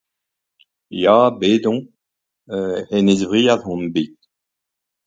Ya, bet on. euu Enez-Vriad on bet